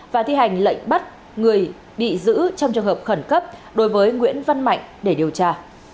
và thi hành lệnh bắt người bị giữ trong trường hợp khẩn cấp đối với nguyễn văn mạnh để điều tra